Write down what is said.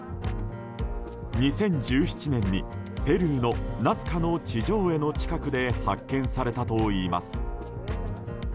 ２０１７年にペルーのナスカの地上絵の近くで発見されたといいます。